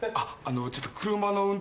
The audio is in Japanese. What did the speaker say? ちょっと。